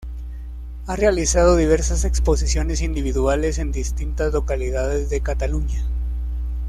Ha realizado diversas exposiciones individuales en distintas localidades de Cataluña.